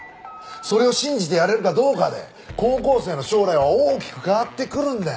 それを信じてやれるかどうかで高校生の将来は大きく変わってくるんだよ。